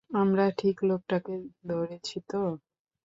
আমরা ঠিক লোকটাকে ধরেছি তো?